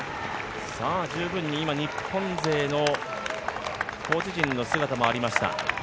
日本勢のコーチ陣の姿もありました。